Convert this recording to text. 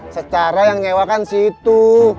secara yang nyewakan situ